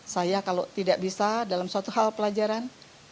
saya kalau tidak bisa dalam suatu hal pelajaran